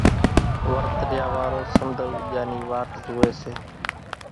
ورت ريا وارو سنۮر اُوڄان ني واٽ زوئي سي